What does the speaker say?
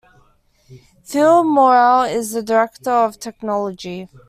Phil Morle is the director of technology.